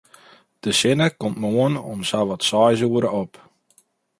De sinne komt moarn om sawat seis oere op.